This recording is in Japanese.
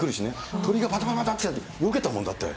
鳥がばたばたばたって、よけたもん、だって。